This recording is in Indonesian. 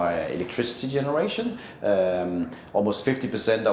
dalam generasi elektris kita